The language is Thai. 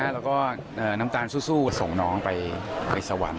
แล้วก็น้ำตาลสู้ส่งน้องไปสวรรค์